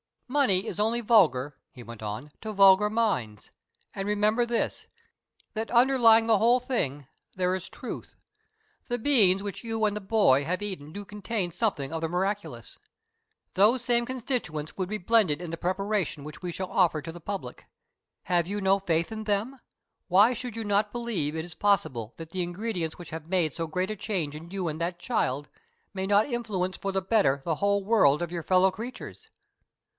"Money is only vulgar," he went on, "to vulgar minds. And remember this that underlying the whole thing there is Truth. The beans which you and the boy have eaten do contain something of the miraculous. Those same constituents would be blended in the preparation which we shall offer to the public. Have you no faith in them? Why should you not believe it possible that the ingredients which have made so great a change in you and that child, may not influence for the better the whole world of your fellow creatures?